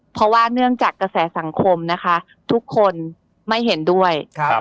เพราะว่าเนื่องจากกระแสสังคมนะคะทุกคนไม่เห็นด้วย